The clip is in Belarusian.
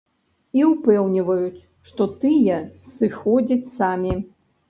І ўпэўніваюць, што тыя сыходзяць самі.